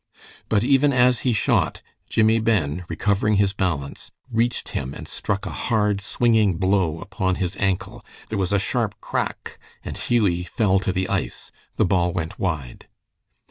But even as he shot, Jimmie Ben, recovering his balance, reached him and struck a hard, swinging blow upon his ankle. There was a sharp crack, and Hughie fell to the ice. The ball went wide.